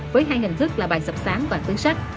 với hai hình thức là bài sập sáng và cuốn sách